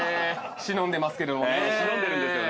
忍んでますけれどもね。